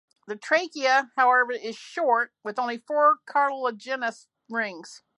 The trachea, however, is short, with only four cartilaginous rings.